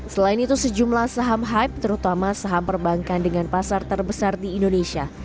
selain itu sejumlah saham hype terutama saham perbankan dengan pasar terbesar di indonesia